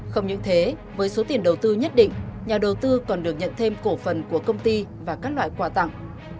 không những thế với số tiền đầu tư nhất định nhà đầu tư còn được nhận thêm cổ phần của công ty và các loại quà tặng